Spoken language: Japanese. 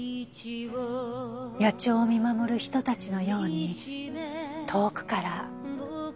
野鳥を見守る人たちのように遠くからそっと。